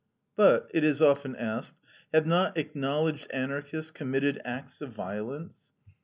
But, it is often asked, have not acknowledged Anarchists committed acts of violence?